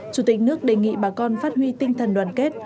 chủ tịch nước đề nghị bà con phát huy tinh thần đoàn kết